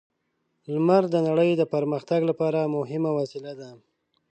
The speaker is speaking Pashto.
لمر د نړۍ د پرمختګ لپاره مهمه وسیله ده.